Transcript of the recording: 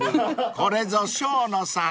［これぞ生野さん